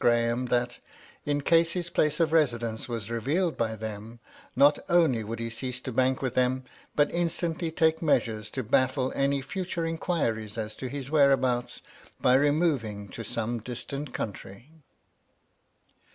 Graham that, in case his place of residence was revealed by them, not only would he cease to bank with them, but instantly take measures to baffle any future inquiries as to his whereabouts, by removing to some distant country.